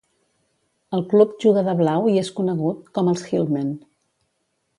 El club juga de blau i és conegut com "els Hillmen".